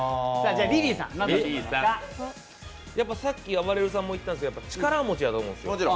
さっきあばれるさんも言ってましたけど力持ちだと思うんですよ。